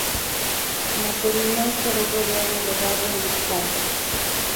La terminal quedó rodeada de barro y escombros.